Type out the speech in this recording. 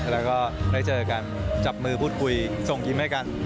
แล้วก็ได้เจอกันจับมือพูดคุยส่งยิ้มให้กัน